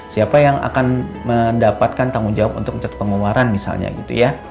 siapa yang akan mendapatkan tanggung jawab untuk mencari pengeluaran misalnya gitu ya